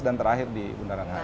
dan terakhir di bundaran harimau